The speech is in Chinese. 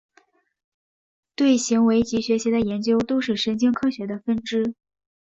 对行为及学习的研究都是神经科学的分支。